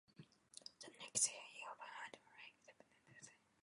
The next year, he opened a traveling exhibit to tour the state.